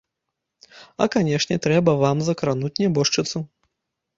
А канешне трэба вам закрануць нябожчыцу?!